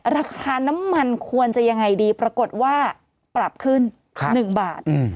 ราคาน้ำมันควรจะยังไงดีปรากฏว่าปรับขึ้น๑บาท